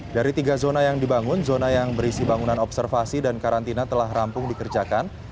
dari tiga zona yang dibangun zona yang berisi bangunan observasi dan karantina telah rampung dikerjakan